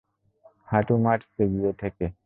হাঁটু মাটিতে গিয়ে ঠেকে।